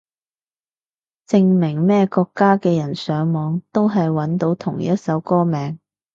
證明咩國家嘅人上網搵都係搵到同一首歌名